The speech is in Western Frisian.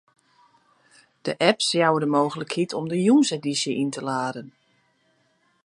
De apps jouwe de mooglikheid om de jûnsedysje yn te laden.